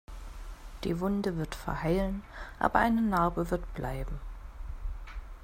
Die Wunde wird verheilen, aber eine Narbe wird bleiben.